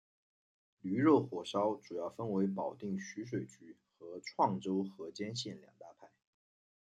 驴肉火烧主要分为保定徐水区和沧州河间县两大派。